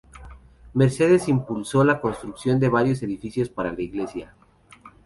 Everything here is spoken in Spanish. Mercedes impulsó la construcción de varios edificios para la Iglesia.